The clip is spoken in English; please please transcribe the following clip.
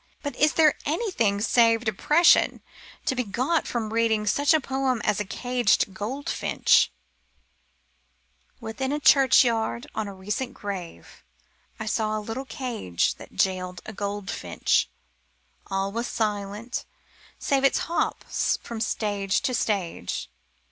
But is there anything save depression to be got from reading such a poem as A Caged Goldfinch: Within a churchyard, on a recent grave, I saw a little cage That jailed a goldfinch. All was silence, save Its hops from stage to stage.